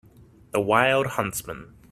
The wild huntsman.